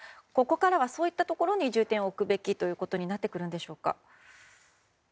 ここからはそういったところに重点を置くべきとなってくるんでしょうか。